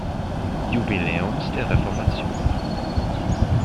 Jubiläums der Reformation.